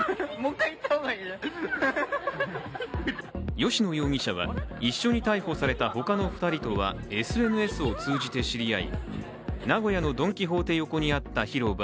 吉野容疑者は、一緒に逮捕されたほかの２人とはＳＮＳを通じて知り合い名古屋のドン・キホーテ横にあった広場